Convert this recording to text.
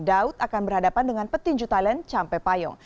daud akan berhadapan dengan petinju thailand campai payong